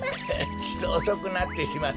ちとおそくなってしまったが。